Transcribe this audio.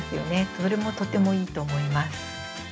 それもとてもいいと思います。